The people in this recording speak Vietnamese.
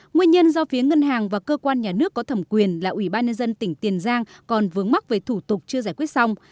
nguyên nhân do phía ngân hàng và cơ quan nhà nước có thẩm quyền là ủy ban nhân dân tỉnh tiền giang còn vướng mắc về thủ tục chưa giải quyết xong